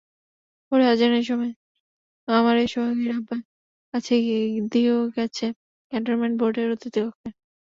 ভোরে আজানের সময় আমারে সোহাগীর আব্বার কাছে দিয়ো গ্যাছে ক্যান্টনমেন্ট বোর্ডের অতিথিকক্ষে।